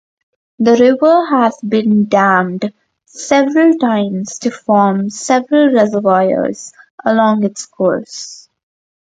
The river has been dammed several times to form several reservoirs along its course.